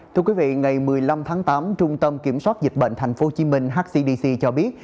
thưa quý vị ngày một mươi năm tháng tám trung tâm kiểm soát dịch bệnh tp hcm hcdc cho biết